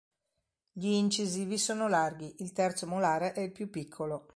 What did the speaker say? Gli incisivi sono larghi, il terzo molare è il più piccolo.